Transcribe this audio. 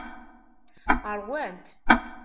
Ṛwant.